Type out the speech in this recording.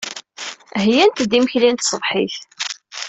Heyyant-d imekli n tṣebḥit.